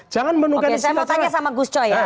jangan menunggu disitu oke saya mau tanya sama gus choi ya